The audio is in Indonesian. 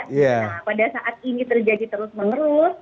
nah pada saat ini terjadi terus menerus